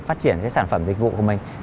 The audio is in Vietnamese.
phát triển cái sản phẩm dịch vụ của mình